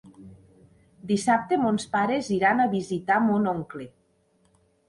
Dissabte mons pares iran a visitar mon oncle.